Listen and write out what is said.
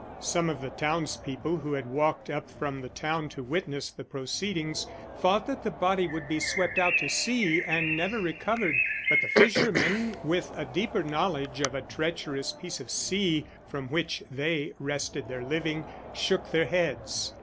Some of the townspeople who had walked up from the town to witness the proceedings thought that the body would be swept out to sea and never recovered, but the fishermen, with a deeper knowledge of a treacherous piece of sea from which they wrested their living, shook their heads.